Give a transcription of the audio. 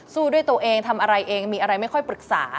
ด้วยตัวเองทำอะไรเองมีอะไรไม่ค่อยปรึกษา